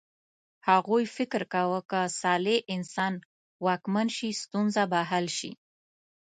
هغوی فکر کاوه که صالح انسان واکمن شي ستونزه به حل شي.